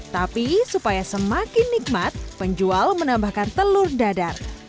tapi supaya semakin nikmat penjual menambahkan telur dadar